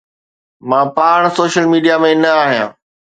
مان پاڻ social media ۾ نه آهيان.